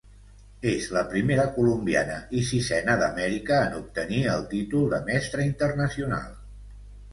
És la primera colombiana i sisena d'Amèrica en obtenir el títol de Mestre Internacional.